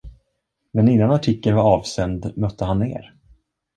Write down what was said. Men innan artikeln var avsänd, mötte han er.